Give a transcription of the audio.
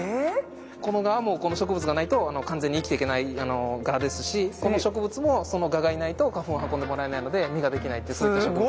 この蛾もこの植物がないと完全に生きていけない蛾ですしこの植物もその蛾がいないと花粉を運んでもらえないので実ができないってそういった植物です。